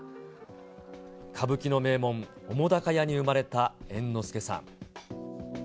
歌舞伎の名門、澤瀉屋に生まれた猿之助さん。